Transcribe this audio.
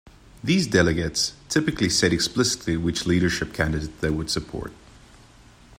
These delegates typically said explicitly which leadership candidate they would support.